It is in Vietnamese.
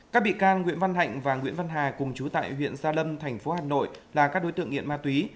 các bị can nguyễn văn hạnh và nguyễn văn hà cùng chú tại huyện gia lâm thành phố hà nội là các đối tượng nghiện ma túy